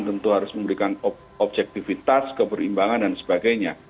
tentu harus memberikan objektivitas keberimbangan dan sebagainya